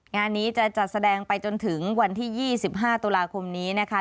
งานนี้จะจัดแสดงไปจนถึงวันที่๒๕ตุลาคมนี้นะคะ